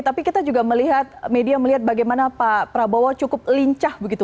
tapi kita juga melihat media melihat bagaimana pak prabowo cukup lincah begitu